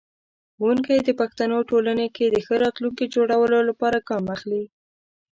ښوونکی د پښتنو ټولنې کې د ښه راتلونکي جوړولو لپاره ګام اخلي.